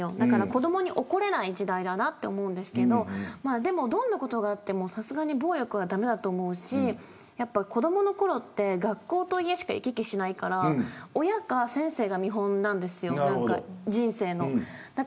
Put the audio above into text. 子どもに怒れない時代だなと思うんですけどでも、どんなことがあってもさすがに暴力は駄目だと思うし子どものころって学校と家しか行き来しないから親か先生が見本なんです人生の。